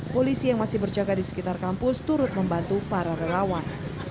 polisi yang masih berjaga di sekitar kampus turut membantu para relawan